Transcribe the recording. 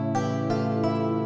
gak ada yang peduli